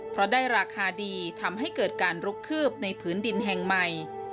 เพราะได้ราคาดีทำให้เกิดการลุกคืบในผืนดินแห่งใหม่